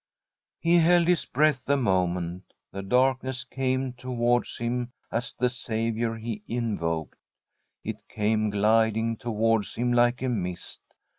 He held his breath a moment. The darkness came towards him as the saviour he invoked. It came gliding towards him like a mist.